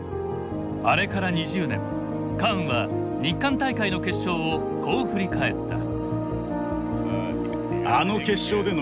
あれから２０年カーンは日韓大会の決勝をこう振り返った。